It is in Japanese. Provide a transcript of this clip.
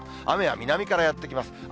雨は南からやって来ます。